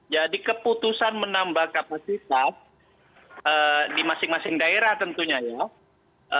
jadi keputusan menambah kapasitas di masing masing daerah tentunya ya